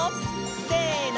せの！